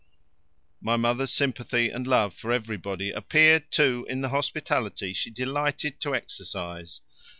My mother's sympathy and love for everybody appeared, too, in the hospitality she delighted to exercise.